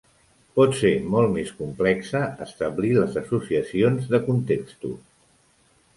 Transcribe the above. Pot ser molt més complexe establir les associacions de contextos.